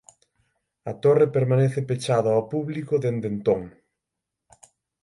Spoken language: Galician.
A torre permanece pechada ao público dende entón.